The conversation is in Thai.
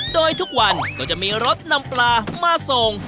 โดยทุกวันก็จะมีรถนำปลามาส่ง